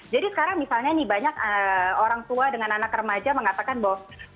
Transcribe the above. jadi sekarang misalnya nih banyak orang tua dengan anak remaja mengatakan bahwa